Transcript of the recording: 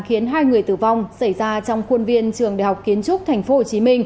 khiến hai người tử vong xảy ra trong khuôn viên trường đại học kiến trúc tp hcm